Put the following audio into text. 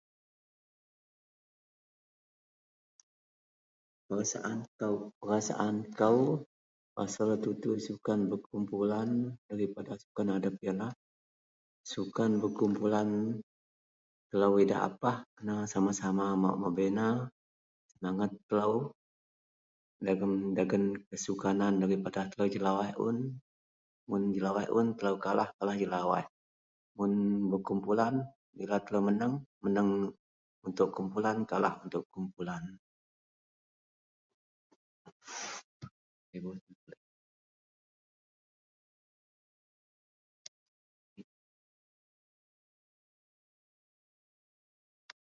. [unintelligible] Perasaan kou, perasaan kou pasel tutui sukan berkumpulan daripada sukan adep yenlah sukan berkumpulan telou idak apah, kena sama-sama bak membina semenget telou dagen, dagen kesukanan daripada telou jelawaih un. Mun jelawaih un telou kalah, kalah jelawaih. Mun berkumpulan bila telou meneng, meneng untuk kumpulan, kalah untuk kumpulan.